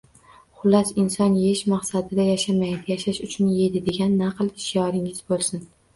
Xullas, “Inson yeyish maqsadida yashamaydi, yashash uchun yeydi”, degan naql shioringiz bo‘lsin.